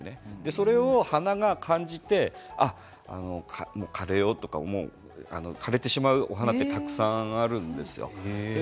それを花が感じて枯れようと枯れてしまうお花がたくさんあるんです。